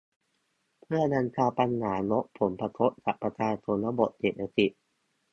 เพื่อบรรเทาปัญหาลดผลกระทบกับประชาชนระบบเศรษฐกิจ